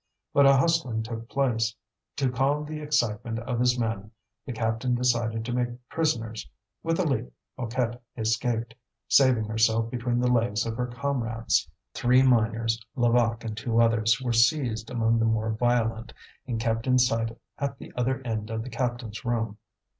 But a hustling took place. To calm the excitement of his men, the captain decided to make prisoners. With a leap Mouquette escaped, saving herself between the legs of her comrades. Three miners, Levaque and two others, were seized among the more violent, and kept in sight at the other end of the captains' room.